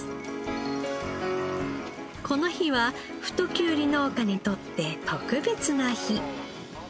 この日は太きゅうり農家にとって特別な日。